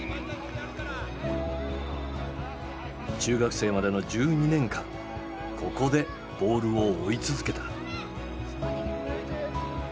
中学生までの１２年間ここでボールを追い続けた。